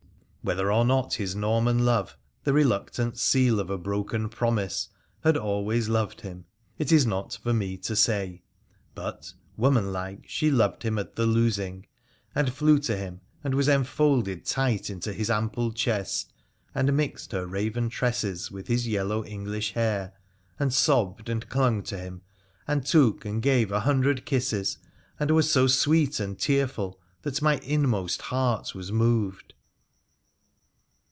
Whether or not his Norman love, the reluctant seal of a broken promise, had always loved him. it is not for me to say, but, woman like, she loved him at the losing, and flew to him and was enfolded tight into his ample chest, and mixed her raven tresses with his yellow English hair, and sobbed and clung to him, am? took and gave a hundred kisses, and was so sweet and tearful that my inmost heart was moved.